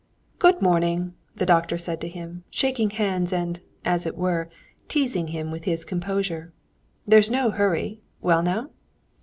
"Good morning!" the doctor said to him, shaking hands, and, as it were, teasing him with his composure. "There's no hurry. Well now?"